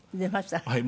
はい。